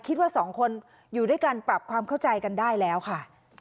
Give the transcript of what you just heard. คิดว่าสองคนอยู่ด้วยกันปรับความเข้าใจกันได้แล้วค่ะ